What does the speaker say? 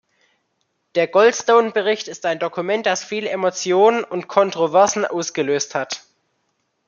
Der Goldstone-Bericht ist ein Dokument, das viele Emotionen und Kontroversen ausgelöst hat.